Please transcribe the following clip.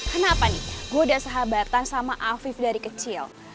kenapa nih gue udah sahabatan sama afif dari kecil